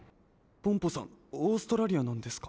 ポンポさんオーストラリアなんですか？